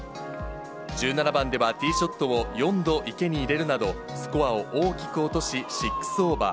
１７番ではティーショットを４度、池に入れるなど、スコアを大きく落とし、６オーバー。